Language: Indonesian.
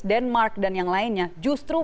denmark dan yang lainnya justru